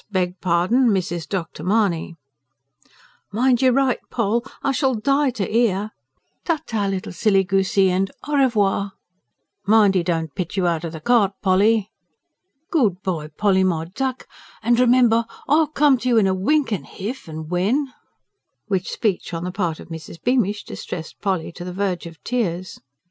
beg pardon, Mrs. Dr. Mahony!" "Mind you write, Poll! I shall die to 'ear." "Ta ta, little silly goosey, and AU REVOIR!" "Mind he don't pitch you out of the cart, Polly!" "Good bye, Polly, my duck, and remember I'll come to you in a winkin', h'if and when ..." which speech on the part of Mrs. Beamish distressed Polly to the verge of tears.